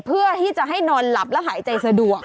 เพื่อที่จะให้นอนหลับแล้วหายใจสะดวก